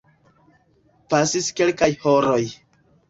Pasis kelkaj horoj.